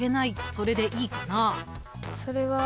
それでいいかな？